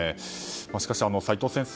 しかし、齋藤先生